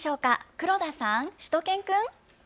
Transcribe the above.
黒田さん、しゅと犬くん。